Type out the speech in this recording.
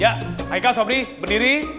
ya haika sobri berdiri